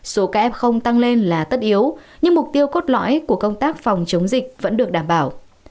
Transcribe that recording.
số ca ép không tăng lên là tất yếu nhưng mục tiêu cốt lõi của công tác phòng chống dịch vẫn được đảm bảo